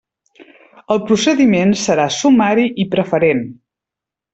El procediment serà sumari i preferent.